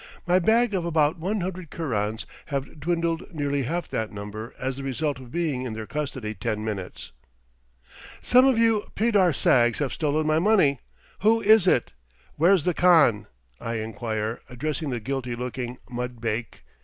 My bag of about one hundred kerans have dwindled nearly half that number as the result of being in their custody ten minutes. "Some of you pedar sags have stolen my money; who is it? where's the khan?" I inquire, addressing the guilty looking mud bake.